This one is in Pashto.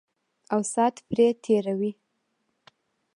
او سات پرې تېروي.